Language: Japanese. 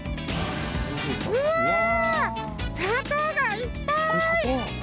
砂糖がいっぱい。